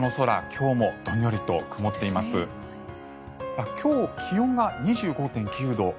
今日、気温が２５．９度。